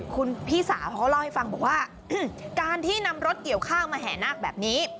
คุณพี่สาวเขาก็เล่าให้ฟังบอกว่าการที่นำรถเกี่ยวข้าวมาแห่นาคแบบนี้